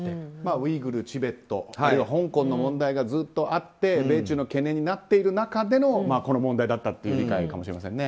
ウイグル、チベット香港の問題がずっとあって米中の懸念になっている中でのこの問題だったという理解かもしれませんね。